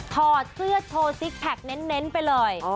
ถอดเสื้อโชว์ซิกแพคเน้นไปเลย